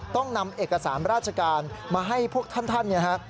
ต้องนำเอกสารราชการมาให้พวกท่านเนี่ยฮะ